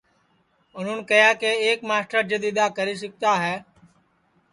اُنُہون کیہیا کہ ایک مسٹر جِدؔ اِدؔا کری سِکتا ہے